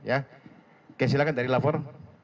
oke silakan dari labor